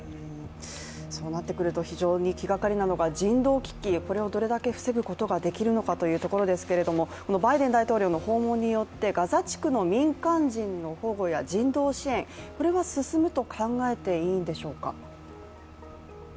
そうなってくると非常に気がかりなのが人道危機、これをどれだけ防ぐことができるのかというところですけれどもバイデン大統領の訪問によってガザ地区の民間人の保護や人道支援、これは進むと考えていいんでしょうか？